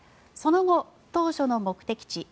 その後、当初の目的地